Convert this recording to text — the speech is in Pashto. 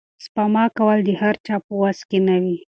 سپما کول د هر چا په وس کې نه وي.